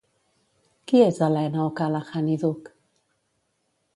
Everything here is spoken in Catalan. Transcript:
Qui és Elena O'Callaghan i Duch?